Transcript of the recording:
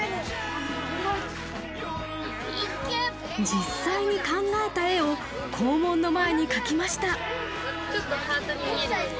実際に考えた絵を校門の前に描きました。